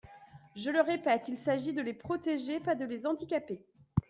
Je le répète : il s’agit de les protéger, pas de les handicaper.